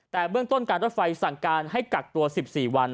แต่เบื้องต้นการรถไฟสั่งการให้กักตัว๑๔วัน